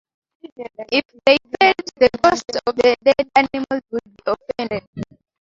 If they failed, the ghosts of the dead animals would be offended